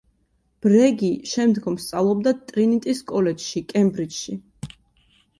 ბრეგი შემდგომ სწავლობდა ტრინიტის კოლეჯში, კემბრიჯში.